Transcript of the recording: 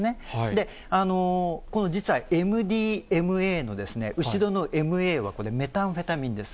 で、実はＭＤＭＡの後ろのＭＡは、これ、メタンフェタミンです。